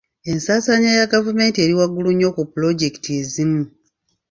Ensaasaanya ya gavumenti eri waggulu nnyo ku pulojekiti ezimu.